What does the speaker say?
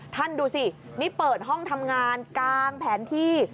ท่านดูสินี่เปิดห้องทำงานกลางแผนที่